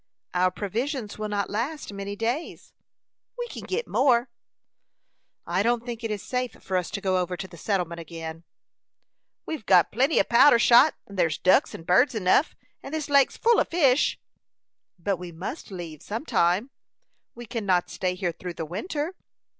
"Our provisions will not last many days." "We kin git more." "I don't think it is safe for us to go over to the settlement again." "We've got plenty o' powder'n shot, and thyers ducks and birds enough. And this lake's full of fish." "But we must leave some time. We could not stay here through the winter."